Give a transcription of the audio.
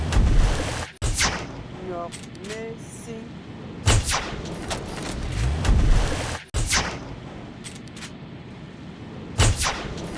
Nÿɔ́g mé síŋ.